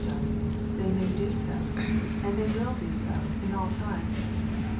so, they may do so, and they will do so, in all times.